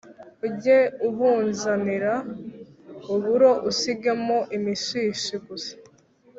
ujye ubunzanira uburo usigemo imishishi gusa